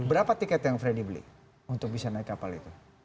berapa tiket yang freddy beli untuk bisa naik kapal itu